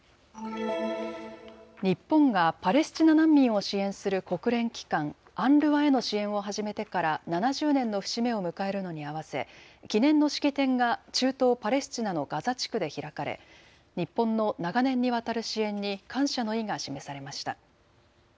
日本がパレスチナ難民を支援する国連機関、ＵＮＲＷＡへの支援を始めてから７０年の節目を迎えるのに合わせ記念の式典が中東パレスチナのガザ地区で開かれ日本の長年にわたる支援に感謝の意が示されました。